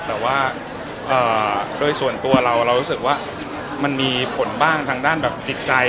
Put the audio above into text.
แต่ว่าโดยส่วนตัวเราเรารู้สึกว่ามันมีผลบ้างทางด้านแบบจิตใจ